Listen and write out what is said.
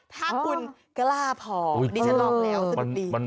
ถ้าคุณกล้าพอดิจรอบแล้ว